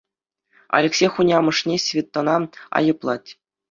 Алексей хунямӑшне Светӑна айӑплать.